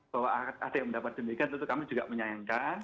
bahwa ada yang mendapat demikian tentu kami juga menyayangkan